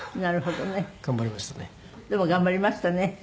でも頑張りましたね。